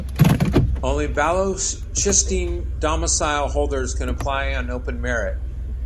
Only Balochistan Domicile holders can apply on open merit.